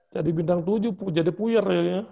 jadi bintang tujuh jadi puyar